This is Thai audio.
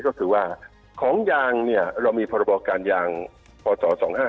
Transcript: ก็คือว่าของยางเนี่ยเรามีพรบการยางพศ๒๕๖